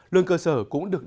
lương cơ sở cũng được điều chỉnh